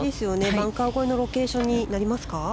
バンカー越えのロケーションになりますか？